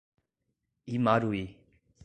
Imaruí